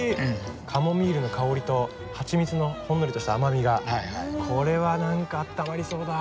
カモミールの香りとハチミツのほんのりとした甘みがこれはなんかあったまりそうだ。